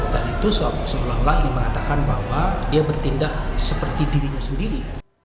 dan itu seolah olah yang mengatakan bahwa dia bertindak seperti dirinya sendiri